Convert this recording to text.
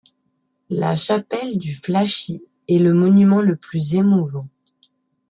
La chapelle du Flachis est le monument le plus émouvant.